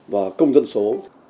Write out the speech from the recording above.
và công dân số